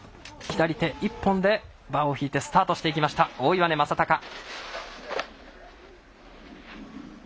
左手一本でバーを引いてスタートしていきました大岩根正隆。